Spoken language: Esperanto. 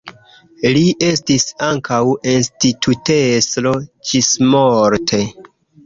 Li estis ankaŭ institutestro ĝismorte.